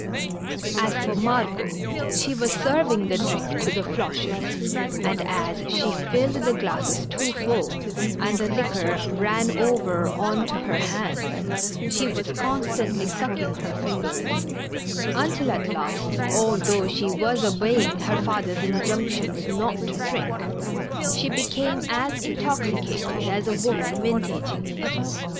As for Margot, she was serv ing the drink to the Floches, and, as she filled the glasses too full and the liquor ran over on to her hands, she was constantly sucking her fingers, until at last, although she was obeying her father's injunctions not to drink, she became as intoxicated as a woman vintaging.